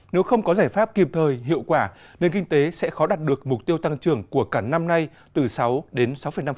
nếu không có giải pháp kịp thời hiệu quả nền kinh tế sẽ khó đạt được mục tiêu tăng trưởng của cả năm nay từ sáu đến sáu năm